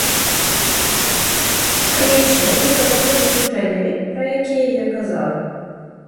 Канечне, з некаторымі выключэннямі, пра якія я казаў.